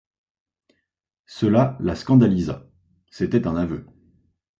Cela la scandalisa, c’était un aveu.